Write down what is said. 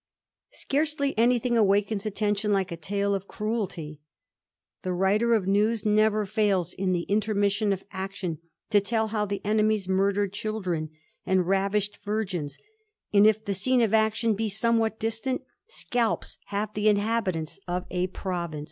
Scarcely any thing awakens attention like a tale of cruelty, he writer of news never fails in the intermission of action ► tell how the enemies murdered children and ravished rgins ; and, if the scene of action be somewhat distant, alps half the inhabitants of a province.